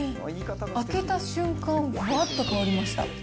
開けた瞬間、ふわっと香りました。